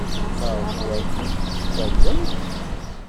Maɣef werjin tettallemt?